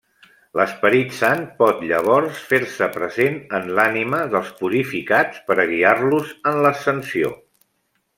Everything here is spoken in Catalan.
L'Esperit Sant pot llavors fer-se present en l'ànima dels purificats per a guiar-los en l'ascensió.